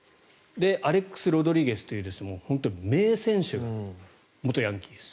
アレックス・ロドリゲスという本当に名選手、元ヤンキース。